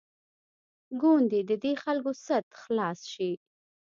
کوندي د دې خلکو سد خلاص شي.